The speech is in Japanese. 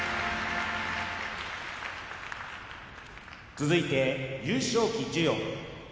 続いて優勝旗授与。